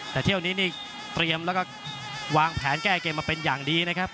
แต่เที่ยวนี้นี่เตรียมแล้วก็วางแผนแก้เกมมาเป็นอย่างดีนะครับ